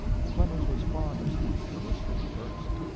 Clemens was fond of Steve Gillis from the first.